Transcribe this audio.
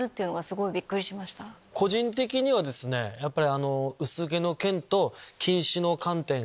個人的にはですねやっぱり。